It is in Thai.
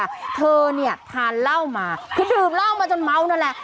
เธอเนี่ยทานเหล้ามาคือดื่มเหล้ามาจนเมานั่นแหละ